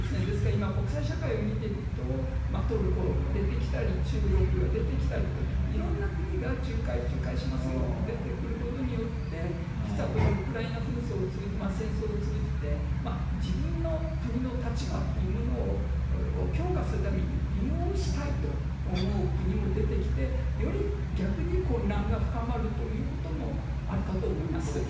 ですから今、国際社会を見てると、トルコが出てきたり、中国が出てきたりと、いろんな国が仲介、仲介しますよ、出てくることによって、実はこのウクライナ紛争を通じ、戦争を通じて、自分の国の立場っていうものを強化するために、利用したいと思う国も出てきて、より逆に混乱が深まるということもあるかと思います。